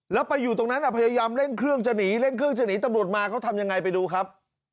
แล้วไปอยู่ตรงนั้นพยายามเร่งเครื่องจะหนีเร่งเครื่องจะหนีตำรวจมาเขาทำยังไงไปดูครับ